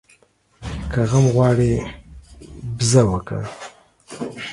که غم غواړې ، بزه وکه.